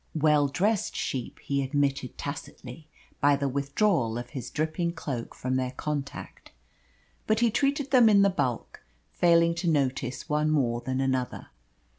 Well dressed sheep, he admitted tacitly by the withdrawal of his dripping cloak from their contact, but he treated them in the bulk, failing to notice one more than another.